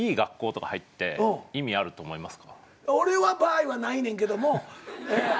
俺の場合はないねんけども。